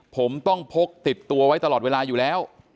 ผมต้องพกติดตัวไว้ตลอดเวลาอยู่แล้ว